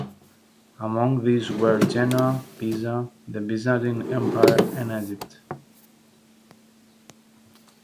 Among these were Genoa, Pisa, the Byzantine Empire, and Egypt.